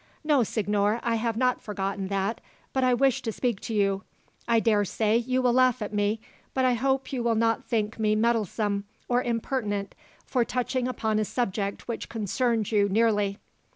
"No, signor, I have not forgotten that, but I wish to speak to you. I dare say you will laugh at me, but I hope you will not think me meddlesome, or impertinent, for touching upon a subject which concerns you nearly."